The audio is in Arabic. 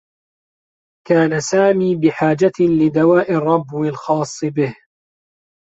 كان سامي بحاجة لدواء الرّبو الخاص به.